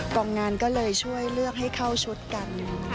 กองงานก็เลยช่วยเลือกให้เข้าชุดกัน